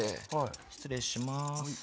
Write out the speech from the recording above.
失礼します。